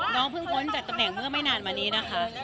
น้องเพิ่งพ้นจากตำแหน่งเมื่อไม่นานมานี้นะคะ